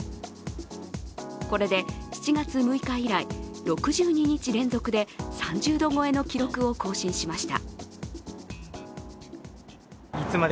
これで７月６日以来、６２日連続で３０度超えの記録を更新しました。